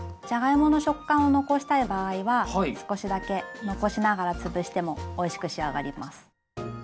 じゃがいもの食感を残したい場合は少しだけ残しながら潰してもおいしく仕上がります。